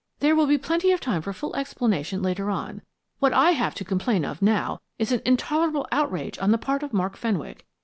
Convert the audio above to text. There will be plenty of time for full explanation later on. What I have to complain of now is an intolerable outrage on the part of Mark Fenwick.